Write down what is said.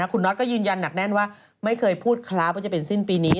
คุณน็อตก็ยืนยันหนักแน่นว่าไม่เคยพูดครับว่าจะเป็นสิ้นปีนี้